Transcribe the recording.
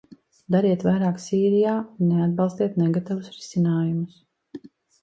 Dariet vairāk Sīrijā un neatbalstiet negatavus risinājumus.